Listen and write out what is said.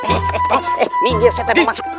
eh minggir saya mau masuk